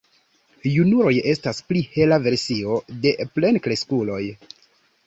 Junuloj estas pli hela versio de plenkreskuloj.